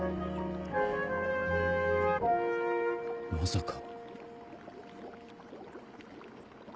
まさか。